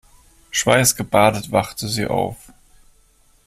Schweißgebadet wachte sie auf.